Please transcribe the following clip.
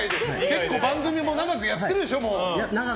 結構番組も長くやってるでしょ。